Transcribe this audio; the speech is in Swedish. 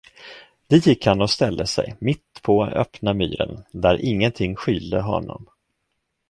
Dit gick han och ställde sig, mittpå öppna myren, där ingenting skylde honom.